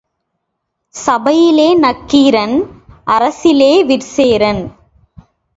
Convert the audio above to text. சபையிலே நக்கீரன் அரசிலே விற்சேரன்.